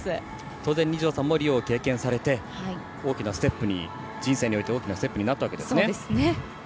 当然二條さんもリオを経験されて人生において大きなステップになったわけですね。